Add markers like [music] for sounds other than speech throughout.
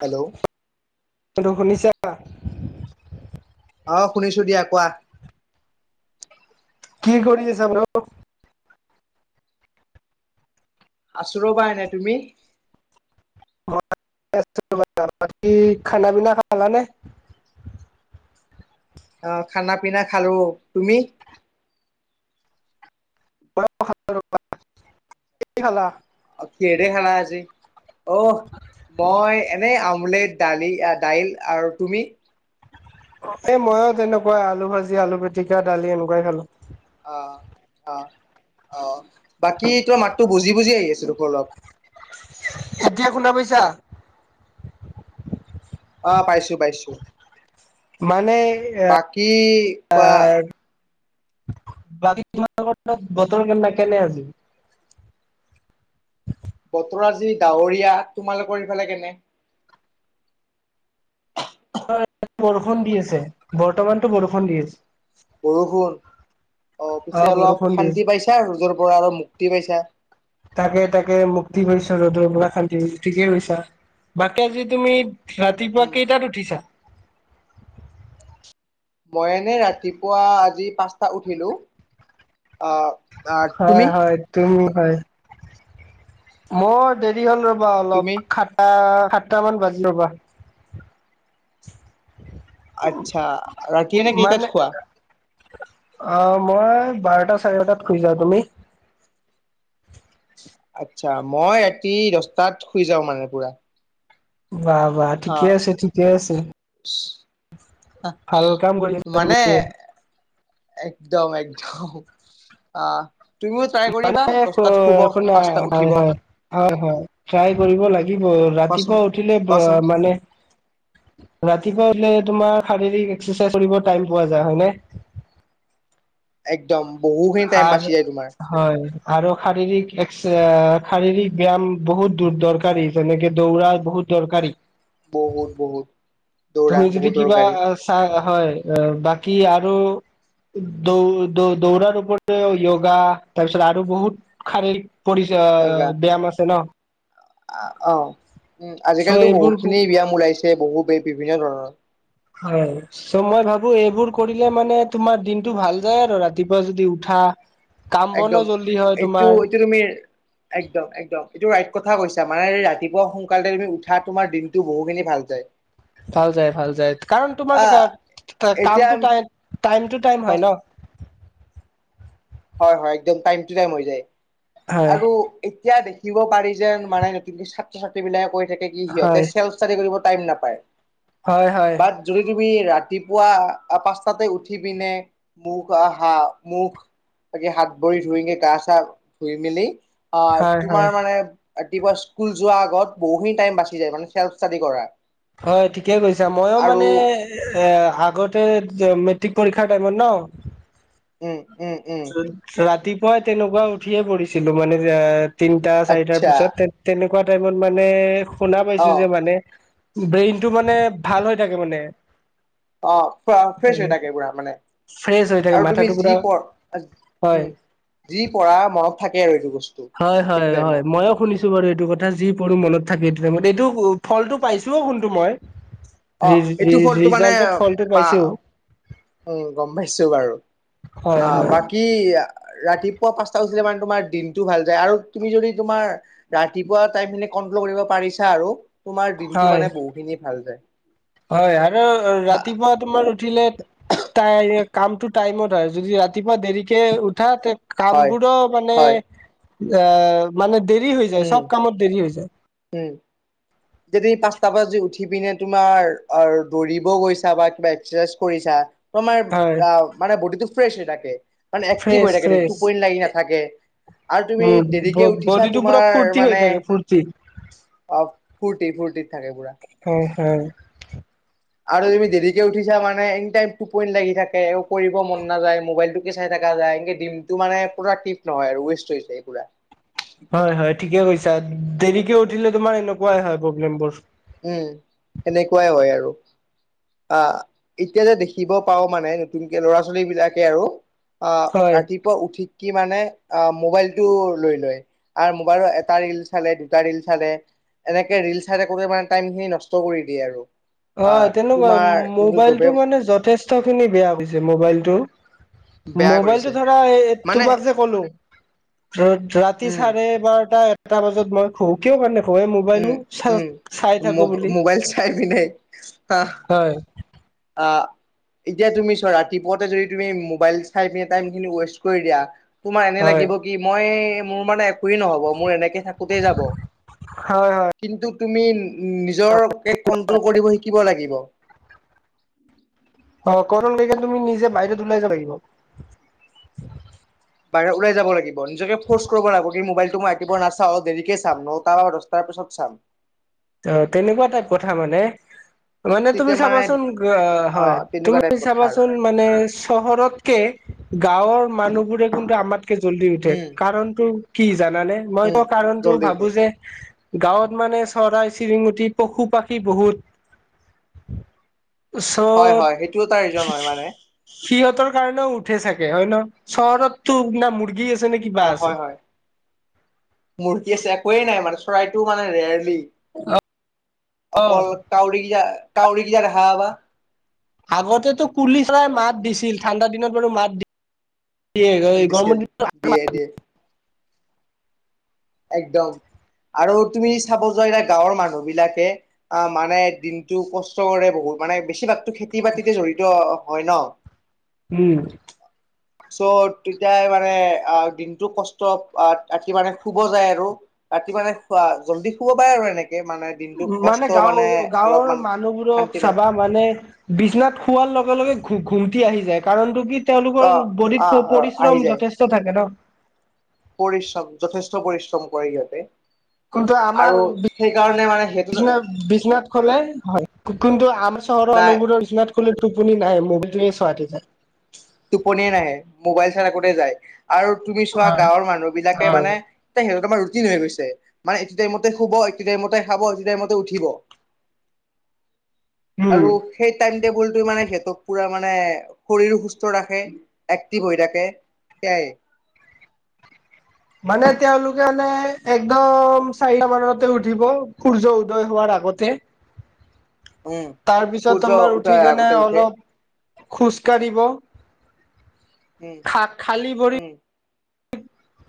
Hello বোলো শুনিছা? অ', শুনিছো দিয়া, কোৱা। কি কৰি আছা নো? আছোঁ ৰ'বা এনে, তুমি? ঘৰতে বাকী খানা পিনা খালা নে? অহ, খানা পিনা খালো, তুমি? খালা [unintelligible] অ', কিহেৰে খালা আজি? অহ, মই এনেই আমলেট, দালি, দাইল, আৰু তুমি? এ, মইওঁ তেনেকুৱাই আলু ভাজি, আলু পিতিকা, দালি এনেকুৱাই খালো। অ', অ'। অ', বাকী তোমাৰ মাততো বজি বজি আহি আছো দেখোন অলপ। এতিয়া শুনা পাইছা? অহ, পাইছো, পাইছো। মানে বাকী অহ কোৱা বাকী তোমাৰ বতৰ কে কেনে আজি? [unintelligible] বতৰ আজি ডাৱৰীয়া, তোমালোকৰ ইফালে কেনে? বৰষুণ দি আছে, বৰ্তমানটো বৰষুণ দি আছে। বৰষুণ, অ', পিছে অলপ বৰষুণ দি আছে শান্তি পাইছা ৰ'দৰ পৰা অলপ মুক্তি পাইছা। তাকে, তাকে, মুক্তি পাইছো ৰ'দৰ পৰা, শান্তি পাইছোঁ ঠিকেই কৈ, বাকী আজি তুমি ৰাতিপুৱা উম কেইটাত উঠিছা? মই এনে ৰাতিপুৱা আজি পাঁচটা উঠিলো আহ আহ তুমি হয় হয় তুমি হয়। মই দেৰি হ'ল ৰ'বা তুমি অলপ খাটা সাতটামান বাজিল ৰ'বা। আচ্ছা ৰাতি এনে কেইটাত মানে শুৱা? অ', মই বাৰটা চাৰে বাৰটাত শুই যাওঁ তুমি? আচ্ছা মই ৰাতি দহটাত শুই যাওঁ মানে পুৰা। বাহ বাহ হা ঠিকে আছে ঠিকে আছে। আহ, ভাল কাম কৰিছা মানে তুমি। একদম একদম আহ তুমিও ট্ৰাই কৰিবা। মানে দহটাত শুব শুনা পাঁচটাত হয় উঠিব হয় হয় হয় ট্ৰাই কৰিব লাগিব কোৱাচোন ৰাতিপুৱা উঠিলে কোৱাচোন মানে ৰাতিপুৱা উঠিলে তোমাৰ শাৰীৰিক এক্সাৰচাইজ কৰিব টাইম পোৱা যাই হয়নে? একদম বহুখিনি টাইম আৰু বাচি যায় তোমাৰ। হয় আৰু শাৰীৰিক এক্স শাৰীৰিক ব্যাম বহুত দূৰ দৰকাৰী যেনেকে দৌৰা বহুত দৰকাৰী। বহুত বহুত দৌৰা তুমি যদি বহুত কিবা দৰকাৰী চা হয়। বাকি আৰু দৌ দৌৰাৰ য়োগা তাৰ পিছত আৰু বহুত শাৰীৰিক পৰিচ ব ব্যায়াম আছে ন। অ', উম, চ' আজিকালিতো এইবোৰ বহুতখিনি ব্যায়াম ওলাইছে বহু বিভিন্ন ধৰণৰ। হয় চ' মই ভাবো এইবোৰ কৰিলে মানে তোমাৰ দিনতটো ভাল যায় আৰু ৰাতিপুৱা যদি উঠা। কাম বনো একদম জল্দি হয় এইটো তোমাৰ এইটো তুমি একদম একদম এইটো ৰাইট কথা কৈছ। মানে ৰাতিপুৱা সোনকালে তুমি উঠা তোমাৰ দিনটো বহু খিনি ভাল যায়। ভাল যায় ভাল যায় কাৰণ তোমাৰ আহ কাম এতিয়া টো টাই টাইম টু টাইম হয় ন। হয় হয় একদম টাইম টু টাইম হৈ যায় হয় আৰু এতিয়া দেখিব পাৰি যেন মানে নতুনক ছাত্ৰ ছাত্ৰী বিলাকে কৈ থাকে কি হয় সিহঁতে চেল্ফ ষ্টডি কৰিব টাইম নাপায়। হয় হয়। বাট যদি তুমি ৰাতিপুৱা পাঁচটাতে উঠি পিনে মুখ আহ হা মুখ বাকি হাত ভৰি ধুইগে গা চা ধুই মেলি আহ হয় হয় তোমাৰ মানে ৰাতিপুৱা স্কুল যোৱাৰ আগত বহুখিনি টাইম বাচি য মানে চেল্ফ ষ্টাডি কৰা। হয় ঠিকে কৈছা মইো আৰু মানে এ আগতে মেট্ৰিক পৰীক্ষাৰ টাইমত ন। উম। উম উম ৰাতিপুৱাই তেনেকুৱা উঠিয়ে পঢ়িছিলো মানে যে তিনটা চাৰিটাৰ আচ্ছা পিছত তে তেনেকুৱা টাইমত মানে শুনা অ পাইছো যে মানে ব্ৰেইনতটো মানে ভাল হৈ থাকে মানে। অ', ফ্ৰেছ হৈ থাকে পুৰা মানে ফ্ৰেছ হৈ থাকে আৰু তুমি মাথাটো পুৰা যি পঢ়া হয় উম, যি পঢ়া মনত থাকে আৰু এইটো বস্তু। হয় সেইটো হয় হয় টাইমত ময়ও শুনিছো বাৰু এইটো কথা যি পঢো মনত থাকে এইটো টাইমতে এইটো ফলটো পাইছোও কিন্তু মই অ এইটো ফলটো মানে ৰিজাল্টত ফলটো পা পাইছোও। উম, গম পাইছো বাৰু হয় আহ হয় বাকী ৰাতিপুৱা পাঁচটা উঠিলে মানে তোমাৰ দিনতটো ভাল যায় আৰু তুমি যদি তোমাৰ ৰাতিপুৱা টাইখিনি কৰিব পাৰিছা আৰু তোমাৰ দিনটো হয় মানে বহুখিনি ভাল যায়। হয় আৰু ৰাতিপুৱা তোমাৰ উঠিলে কাম টো টাইমত হয় যদি ৰাতি পুৱা দেৰিকে উঠা তে হয় কামবোৰো মানে হয় অ', মানে দেৰি হৈ যায় উম চব কামত দেৰি হৈ যায়। উম যদি পাঁচটা বজ উঠি পিনে তোমাৰ দৌৰিব গৈছা বা কিবা এক্সাৰচাইজ কৰিছা। মাৰ হয় মানে বডিটো ফ্ৰেছ হৈ থাকে মানে এক্টিভ ফ্ৰেছ হৈ থাকে, মানে ফ্ৰেছ টোপনি লাগি‌ নাথাকে। থাকে। আৰু তুমি দেৰিকে উম উঠিছা বডিটো পুৰা তোমাৰ ফূৰ্তি হৈ মানে, থাকে ফূৰ্তি অ, ফূৰ্তি ফূৰ্তিত থাকে পুৰা। হয় হয়। আৰু তুমি দেৰিকে উঠিছা মানে এই লাগি থাকে কৰিব মন নাযায় মোবাইল তোকে চাই থাকে। য, এক দিনটো মানে টিপ নহয় আৰু ৱষ্ট হৈ যায় পোৰা। হয়, হয় ঠিকে কৈছা দেৰিকে উঠিলে তোমাৰ এনেকুৱাই হয় প্ৰব্লেম বোৰ। উ, সেনেকুৱাই হয় আৰু। আহ, এতিয়া যে দেখিব পাঁও মানে নতুনকে ল'ৰা ছোৱালী বিলাকে আৰু। হয় ৰাতিপুৱা উঠি‌ কিমানে। আহ, মোবাইলটো লৈ লয় আৰু মোবাইলৰ এটা ৰিল চালে দুটা ৰিল চালে। এনেকে ৰিল চাই থাকোঁতে মানে টাইম খিনি নষ্ট কৰি দিয়ে আৰু। আহ হয়, তেনেকুৱা তোমাৰ যোনটো জবে মোবাইলটো মানে যথেষ্ট। খিনি বেয়া হৈছে মোবাইলটো বেয়া কৰিছে মোবাইলটো ধৰা মানে তোমাক যে ক'লো। ৰাতি উম চাৰে বাৰটা এটা বজাত মই খো কিয় মানে। হৈ উম মোবাইলো চ, চাই উম মো থাকো বুলি। মোবাইল হয় [unintelligible] অ, এতিয়া তুমি চোৱা, ৰাতিপুৱাটে যদি তুমি মোবাইল চাই কেনে টাইম সিনি ৱেষ্ট কৰি দিয়া। তোমাৰ এনে হয়। লাগিব কি মই মোৰ মানে। নহ'ব মোৰ এনেকে থাকোতে যাব, হয় হয় কিন্তু তুমি। নিজৰ কে কণ্ট্ৰল কৰিব শিকিব লাগিব। উ সকলকে তুমি নিজে বাহিৰত ওলাই যাব লাগিব। বাহিৰ ওলাই যাব লাগিব, নিজকে ফৰ্চ কৰিব লাগিব, কি মোবাইলটো মই একেবাৰে নাচাওঁ দেৰিকে নটা বা দছটাৰ পিছত চাম। অ, তেনেকুৱা টাইপ কথা মানে। মানে তুমি তেতিয়া মানে চাবাচোন অ হয়, তেনেকুৱা তুমি টাইপ কথা আৰু চাবাচোন মানে চহৰ তকে। গাঁৱৰ মানুহবোৰে কিন্তু আমাতকে জলদি উঠে উম কাৰণতো। কি জানানে, মই ত উম কাৰণতটো জল্দি ভাবো উঠে যে গাঁৱত মানে। চৰাই চিৰিঙটি পশু-পাখী বহুত। হয় চব হয় সেইটো এটা ৰিজন হয় মানে সিহঁতৰ কাৰণেও উঠে চাগে হয় ন, চহৰতো না মুৰ্গী আছে নে কিবা অ, আছে হয়, হয় মূৰ্তি আছে একোৱেই নাই মানে চৰাইটো মানে ৰেয়াৰলি। অ অকল কাউৰী, কিটা কাউৰী কিটা দেখা পাবা। আগতেতো কুলি চৰাাই মাত দিছিল ঠাণ্ডা দিনত বাৰু মাত দি দিছিল দিয়ে দিয়ে [unintelligible] একদম। আৰু তুমি চাব যোৱা এ গাঁৱৰ মানুহ বিলাকে অ, মানে দিনতটো কষ্ট কৰে বহুত। মানে বেছিভাগতো খেতি বাতিতে জড়িত হয় ন। উম চ' তেতিয়া মানে আহ, দিনতটো কষ্ট ৰাতি মানে। শু'ব যায় আৰু ৰাতি মানে খোৱা জল্দি শু'ব পায় আৰু এনেকে মানে। দিনটো উ, মানে কষ্ট গাঁও গাঁৱৰ অলপমান মানুহবোৰক শান্তি পায় চাবা মানে বিছনাত খোৱাৰ লগে লগে। ঘ, ঘুমটি আহি যায় কাৰণটো কি অ তেওঁলোকৰ অ বডিত আহি পৰিশ্ৰম যায় যথেষ্ট থাকে ন। পৰিশ্ৰম যথেষ্ট পৰিশ্ৰম কৰে ইিহঁতে। কিন্তু আমাৰ বি, সেইটো বিচনাত খোলে। হয় কিন্তু আমাৰ চহৰৰ নাই মানুহবোৰৰ বিচনাত টোপনি নাহে, মোৰ চুৱ উঠি যায়। তটোপনি নাই। মোবাইল চাৰা কোঠেই যায় আৰু তুমি চোৱা হয় গাঁৱৰ মানুহ বিলাকে মানে, হয় এ সিহঁত তোমাৰ কঠিন হৈ গৈছে মানে, এটি টাইমতে শুব, এটি টাইমতে খাব, এটো টাইমতে উঠিব উম আৰু সেই টাইম টেবুলটোে মানে সিহঁতক পুৰা মানে, শৰীৰো সুস্থ ৰাখে এক্টিভ হৈ থাকে মানে, তেওঁলোকে মানে, একদম চাৰিটা মানতে উঠিব সূৰ্য উদয় হোৱাৰ আগতে উ উম তাৰপিছত সূৰ্য তোমাৰ উঠাৰ উঠি কেনে আগতে উঠে অলপ খোজকাঢ়িব উম খা খালী ভৰি উম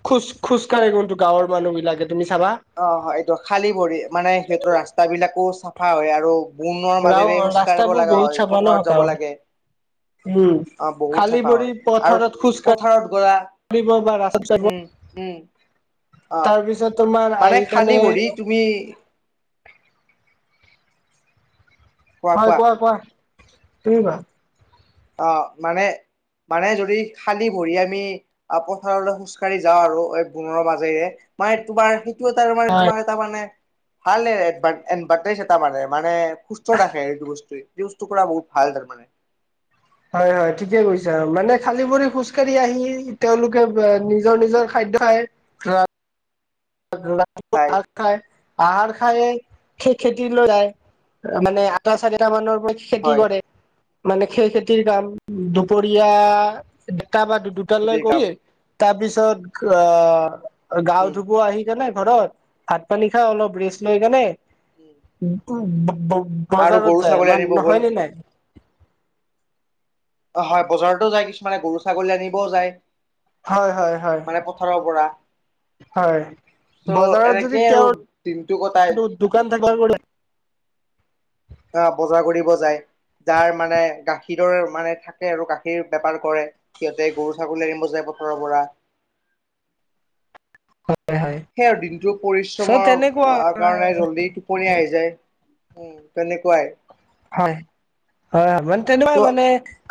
খোজ খোজকাঢ় কিন্তু গাঁৱৰ মানুহ বিলাকে তুমি চাবা অ', অ', এইটো খালী ভৰি মানে, সেইটোৰ ৰাস্তা বিলাকো চাফা হয় আৰু বণন গাঁও মাজেৰে খোজ কঢ়িব ৰাস্তাবোৰ লগা বহুত হয় চাবা ন পথাৰত যাব গাঁৱৰ লাগে উম অ', হুত খালী চাফা ভৰি হয় আৰু পথাৰত খোজ পথাৰত যোৱা কাঢ়িব বা ৰাস্তাত যাব উম, উম, আহ তাৰ পিছত তোমাৰ মানে, আহি খালী কানে ভৰিি তুমি হয়, কোৱা, কোৱা, তুমি কোৱা অ ', মানে মানে যদি খালী ভৰি আমি পথাৰলৈ খোজ কঢ়ি যাওঁ আৰু বনৰ মাজেৰে মই, তোমাৰ [unintelligible] তাৰ [unintelligible] হয় তাৰ মানে মানে সুস্থ ৰাখে এইটো বস্তুৱে যি বস্তু কৰা বহুত ভাল তাৰমানে হয়, হয়, ঠিকে কৈছা মানে খালী ভৰি খোজকঢ়ি আহি তেওঁলোকে নি নিজৰ-নিজৰ খাদ্য খায় খাই আহাৰ খায় আহাৰ খাই উম খেতিলৈ আহে। মানে আটা চাৰিটা মানৰ পৰা খেতি হয় কৰে, মানে খেই খেতিৰ কাম পৰিয়া দুটা বা দুটালৈ খেতিৰ কাম কৈ তাৰপিছত আহ গাঁও উম থু জানাই ঘৰত ভাত পানী খাই অলপ ৰেষ্ট লৈ কেনে আৰু বজাৰত গৰু যায় ছাগলী মান আনিব গ'ল নহয় ন নাই? অ', হয় বজাৰতো যায় কিছুমানে গৰু ছাগলী আনিবও যায় হয় হয় হয় মানে পথাৰৰ পৰা হয়, চ' বজাৰত যদি এনেকেই আৰু দিনটো কটাই তেওঁৰ দোকান থাক আহ, বজাৰ কৰিব যায়। যাৰ মানে, গাখীৰৰ মানে, থাকে আৰু গাখীৰ বেপাৰ কৰে সিহঁতে গৰু ছাগলী আনিব যায় বতৰ পৰা হয় হয় সেই আৰু দিনটো চ' তেনেকুৱা পৰিশ্ৰমৰ কাৰণে জল্দি টোপনি আহি যায়। উম, তেনেকুৱায় হয়, হয়, মানে তেনেকুৱাই চ' মানে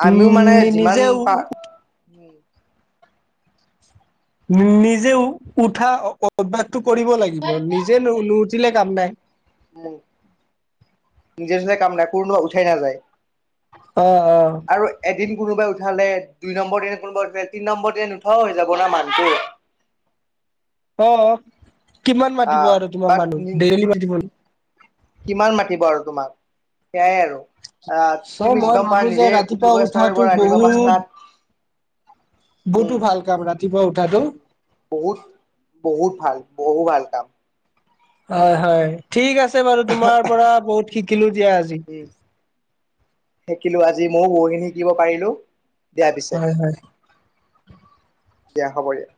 আমিও উম মানে যিমান নিজে পা নিজে উঠা অভ্যাসটো কৰিব লাগিব নিজে নু [unintelligible] কাম নাই। উম, নিজে চতে কাম নাই কোনো উঠাই নাযায়। অহ-অহ। আৰু এদিন কোনোবাই উঠালে দুই নম্বৰ দনে কোনোবাই উঠে তিনি নম্বৰ দিন উঠাও হৈ যাব ন মানুহটো অ', কিমান মাতিব আহ আৰু তোমাক বাট মানুহ দেইলি মাতিব কিমান মাতিব আৰু তোমাক সেয়াই আৰু আহ, চ' তুমি মই যিমান ভাবো পাৰা যে নিজে ৰাতিপুৱা উঠিব চেষ্টা কৰিব উঠাটো ৰাতিপুৱা বহুত পাঁচটাত বহুতো উম, ভাল কাম ৰাতিপুৱা উঠাটো উ বহুত-বহুত ভাল। বহু ভাল কাম। হয়, হয় ঠিক আছে। বাৰু তোমাৰ পৰা বহুত শিকিলো উম দিয়া আজি। উম শিকিলো আজি মইয়ো বহুখিনি শিকিব পাৰিলো। দিয়া পিছে হয়, হয়। দিয়া হ'ব দিয়া।